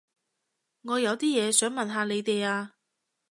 我有啲嘢想問下你哋啊